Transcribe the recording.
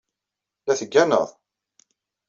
La tegganeḍ?